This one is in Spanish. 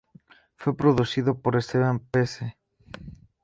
Fue producido por Esteban Pesce.